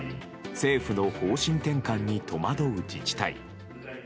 政府の方針転換に戸惑う自治体。